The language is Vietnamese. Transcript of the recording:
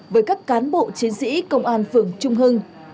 với các cán bộ chiến sĩ công an phường trung hưng